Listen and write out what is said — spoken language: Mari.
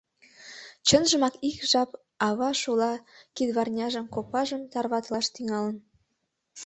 Чынжымак, ик жап ава шола кидварняжым, копажым тарватылаш тӱҥалын.